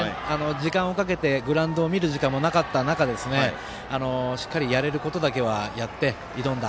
時間をかけてグラウンドを見る時間がなかった中しっかりやれることだけはやって挑んだ。